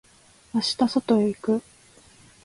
明日外へ行く。